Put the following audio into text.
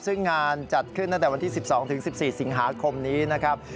ซึ่งงานจัดขึ้นตั้งแต่วันที่๑๒๑๔สิงหาคมนี้นะครับ